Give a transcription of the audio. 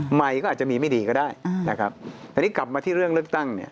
ใหม่ก็อาจจะมีไม่ดีก็ได้แต่นี้กลับมาที่เรื่องเลือกตั้ง